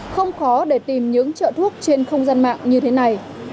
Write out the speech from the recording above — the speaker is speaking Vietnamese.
không khó để tìm những trợ thuốc trên không gian mạng như thế này